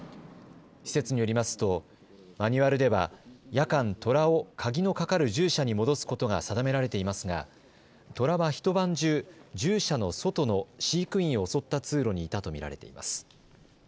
施設によりますとマニュアルでは夜間、トラを鍵のかかる獣舎に戻すことが定められていますがトラは一晩中、獣舎の外の飼育員を襲った通路にいたと見られています。